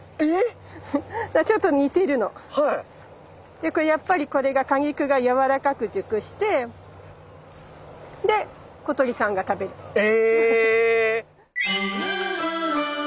でこれやっぱりこれが果肉がやわらかく熟してで小鳥さんが食べるの。え！